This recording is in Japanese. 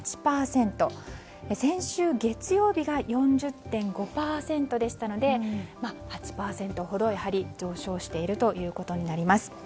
先週月曜日が４０．５％でしたのでやはり８％ほど上昇しているということになります。